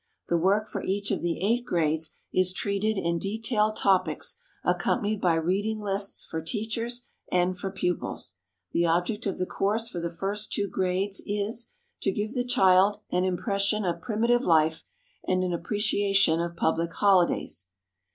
The work for each of the eight grades is treated in detailed topics accompanied by reading lists for teachers and for pupils. The object of the course for the first two grades is "to give the child an impression of primitive life and an appreciation of public holidays."